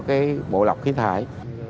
của cái bộ lọc khí thải